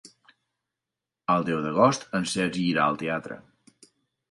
El deu d'agost en Sergi irà al teatre.